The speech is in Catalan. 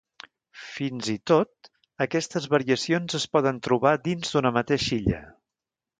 Fins i tot, aquestes variacions es poden trobar dins d'una mateixa illa.